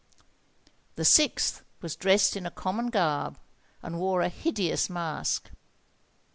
The sixth was dressed in a common garb, and wore a hideous mask.